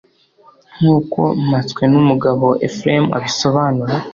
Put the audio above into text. nkuko Mpatswenumugabo Ephrem abisobanura